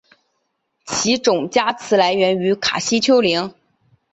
其种加词来源于卡西丘陵。